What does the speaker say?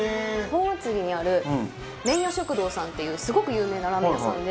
本厚木にある麺や食堂さんっていうすごく有名なラーメン屋さんで。